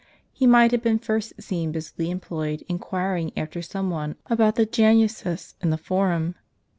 He might have been first seen busily em ployed inquiring after some one about the Januses in the Forum.